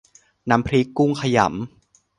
น้ำพริกกุ้งขยำ